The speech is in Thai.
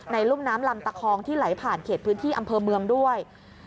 รุ่มน้ำลำตะคองที่ไหลผ่านเขตพื้นที่อำเภอเมืองด้วย